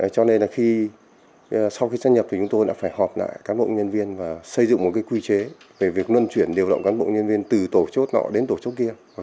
cho nên là sau khi sắp nhập thì chúng tôi đã phải họp lại các bộ nhân viên và xây dựng một quy chế về việc luân chuyển điều động các bộ nhân viên từ tổ chốt đó đến tổ chốt kia